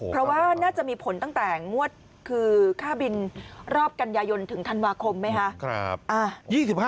เพราะว่าน่าจะมีผลตั้งแต่งวดคือค่าบินรอบกันยายนถึงธันวาคมไหมคะ